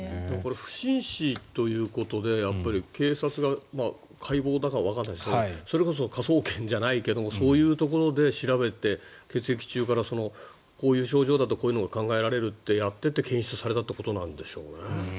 不審死ということで警察が解剖だかわからないけどそれこそ科捜研だかそういうところで調べて血液中から、こういう症状だとこういうことが考えられるって検出されたということなんでしょうね。